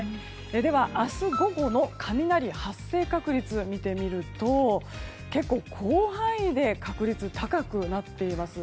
では、明日午後の雷発生確率を見てみると結構、広範囲で確率が高くなっています。